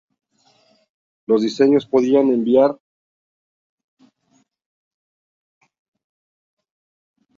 Los diseños podían variar en función del puerto y astillero.